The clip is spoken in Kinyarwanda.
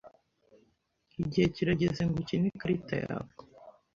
Igihe kirageze ngo ukine ikarita yawe.